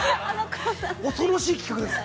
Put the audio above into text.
恐ろしい企画です。